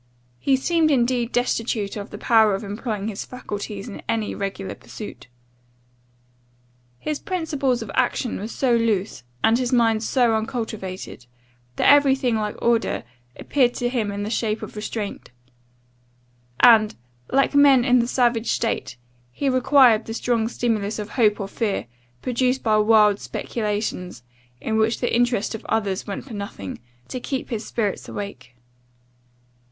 He seemed indeed destitute of the power of employing his faculties in any regular pursuit. His principles of action were so loose, and his mind so uncultivated, that every thing like order appeared to him in the shape of restraint; and, like men in the savage state, he required the strong stimulus of hope or fear, produced by wild speculations, in which the interests of others went for nothing, to keep his spirits awake.